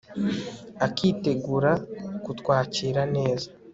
akitegura kutwakiraneza